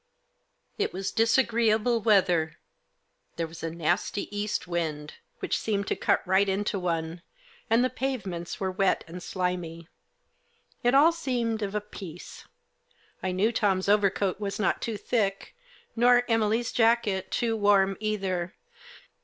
It was disagreeable weather. There was a nasty east wind, which seemed to cut right into one, and the pavements were wet and slimy. It all seemed of a piece. I knew Tom's overcoat was not too thick, nor Emily's jacket too warm either.